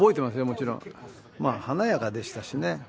もちろんまあ華やかでしたしね